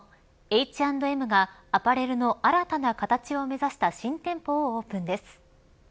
Ｈ＆Ｍがアパレルの新たな形を目指した新店舗をオープンです。